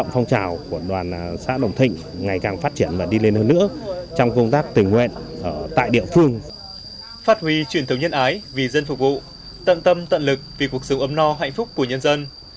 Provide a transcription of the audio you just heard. phát huy truyền thống nhân ái vì dân phục vụ tận tâm tận lực vì cuộc sống ấm no hạnh phúc của nhân dân